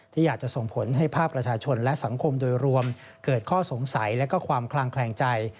ที่อยากจะส่งผลให้ภาพประชาชนและสังคมโดยรวมเกิดข้อสงสัยและความคลางแคลงใจ